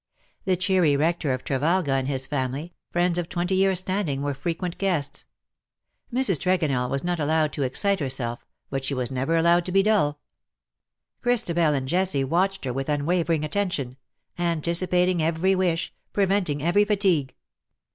The cheery rector of Trevalga and his family, friends of twenty years^ standing, were frequent guests. Mrs. Tregonell was not allowed to excite herself, but she was never allowed to be dull. Christabel and Jessie watched her with unwavering attention — anticipating every wish, preventing every fatigue.